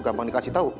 gampang di grip tau